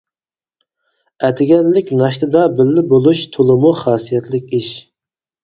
ئەتىگەنلىك ناشتىدا بىللە بولۇش تولىمۇ خاسىيەتلىك ئىش.